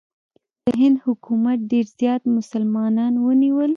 د هند حکومت ډېر زیات مسلمانان ونیول.